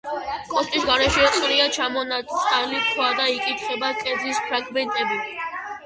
კოშკის გარშემო ყრია ჩამონაშალი ქვა და იკითხება კედლის ფრაგმენტები.